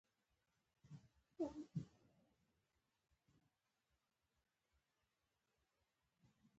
د دې هیله ولرئ چې تاسو ورته خورا هوښیار وئ.